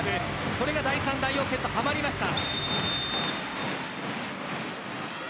これが第３、第４セットはまりました。